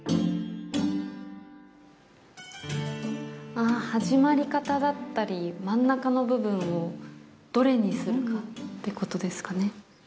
あっ始まり方だったり真ん中の部分をどれにするかってことですかね。